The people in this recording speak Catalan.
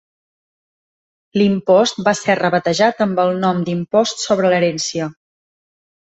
L'impost va ser rebatejat amb el nom d'Impost sobre l'herència.